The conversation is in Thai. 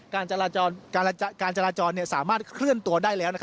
การจราจรสามารถเคลื่อนตัวได้แล้ว